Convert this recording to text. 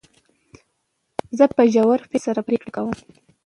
زه په ژور فکر سره پرېکړي کوم.